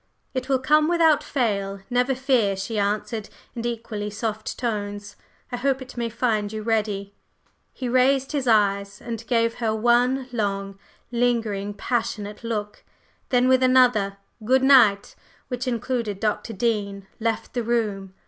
"It will come without fail, never fear!" she answered in equally soft tones. "I hope it may find you ready." He raised his eyes and gave her one long, lingering, passionate look; then with another "Good night," which included Dr. Dean, left the room.